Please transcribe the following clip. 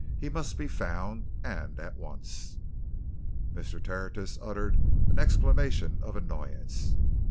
"He must be found, and at once." Mr. Tertius uttered an exclamation of annoyance.